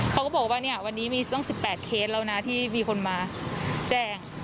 เขาก็บอกว่าเนี่ยวันนี้มีตั้ง๑๘เคสแล้วนะที่มีคนมาแจ้ง